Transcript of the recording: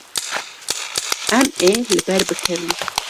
Em ê li ber bikevin.